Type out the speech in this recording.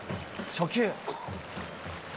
初球。